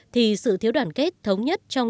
thì sự thiếu đoàn kết thống nhất trong